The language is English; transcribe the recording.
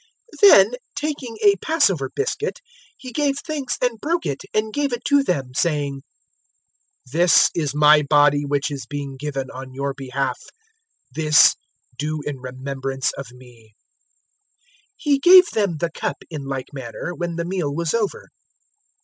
022:019 Then, taking a Passover biscuit, He gave thanks and broke it, and gave it to them, saying, "This is my body which is being given on your behalf: this do in remembrance of me." 022:020 He gave them the cup in like manner, when the meal was over.